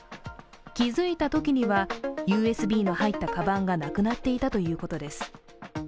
気付いたときにはＵＳＢの入ったかばんがなくなっていたということです。